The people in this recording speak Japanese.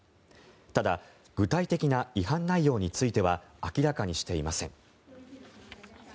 ただ具体的な違反内容については明らかにしていません。